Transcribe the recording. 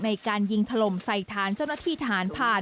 ในการยิงถล่มใส่ฐานเจ้าหน้าที่ทหารผ่าน